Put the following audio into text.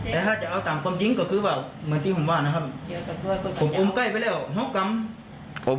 แต่ถ้าจะเอาตามความจริงก็คือแบบเหมือนที่ว่านะครับ